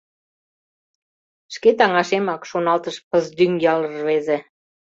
«Шке таҥашемак, — шоналтыш Пыздӱҥ ял рвезе.